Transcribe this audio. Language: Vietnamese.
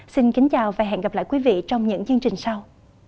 xin kính chào và hẹn gặp lại quý vị trong những chương trình sau